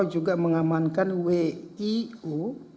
juga mengamankan wiu